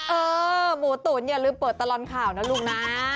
เออหมูตุ๋นอย่าลืมเปิดตลอดข่าวนะลุงนะ